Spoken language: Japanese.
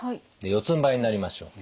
四つんばいになりましょう。